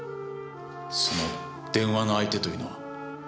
その電話の相手というのは？